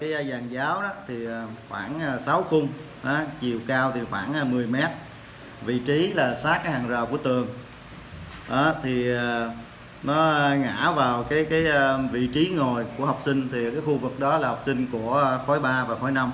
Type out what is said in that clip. cái giàn giáo khoảng sáu khung chiều cao khoảng một mươi m vị trí sát hàng rào của tường ngã vào vị trí ngồi của học sinh khu vực đó là học sinh của khối ba và khối năm